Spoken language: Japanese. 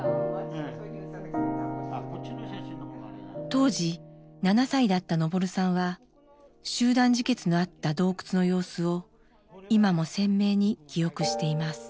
当時７歳だった昇さんは集団自決のあった洞窟の様子を今も鮮明に記憶しています。